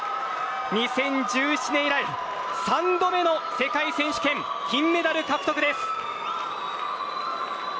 ２０１７年以来３度目の世界選手権金メダル獲得です。